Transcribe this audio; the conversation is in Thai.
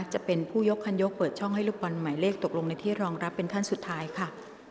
จะเป็นผู้ยกคันยกเปิดช่องให้ลูกบอลหมายเลขตกลงในที่รองรับเป็นขั้นสุดท้ายค่ะ